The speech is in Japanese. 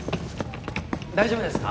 大丈夫ですか？